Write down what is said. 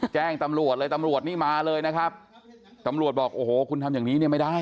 แจ้งตำรวจเลยตำรวจนี่มาเลยนะครับตำรวจบอกโอ้โหคุณทำอย่างนี้เนี่ยไม่ได้